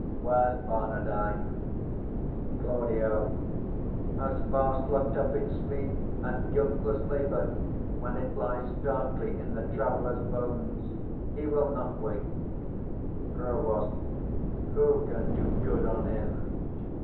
Where's Barnardine? 60 Claud. As fast lock'd up in sleep as guiltless labour When it lies starkly in the traveller's bones: He will not wake. Prov. Who can do good on him?